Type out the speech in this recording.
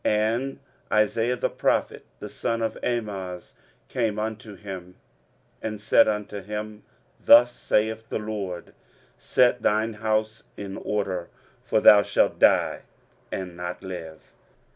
And Isaiah the prophet the son of Amoz came unto him, and said unto him, Thus saith the LORD, Set thine house in order: for thou shalt die, and not live.